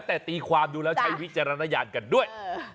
แต่ตีความดูแล้วใช้วิจารณญาณกันด้วย